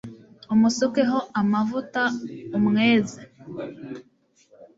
umusukeho amavuta i umweze